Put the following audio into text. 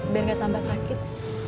biar gak tambah sakit